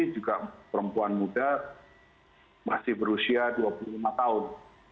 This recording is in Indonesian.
juga perempuan muda masih berusia dua puluh lima tahun